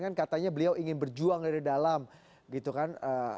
kan katanya beliau ingin berjuang dari dalam gitu kan